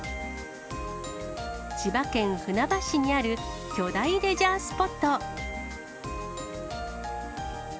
千葉県船橋市にある巨大レジャースポット。